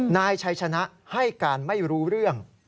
นายชัยชนะให้การไม่รู้เรื่อง